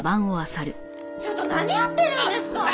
ちょっと何やってるんですか！？